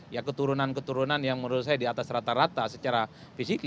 ya keturunan keturunan yang menurut saya di atas rata rata secara fisik